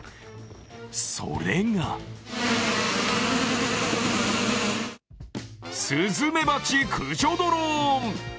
それがスズメバチ駆除ドローン。